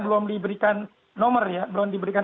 belum diberikan nomor ya belum diberikan